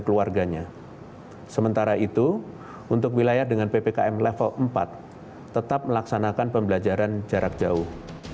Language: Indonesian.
keluarganya sementara itu untuk wilayah dengan ppkm level empat tetap melaksanakan pembelajaran jarak jauh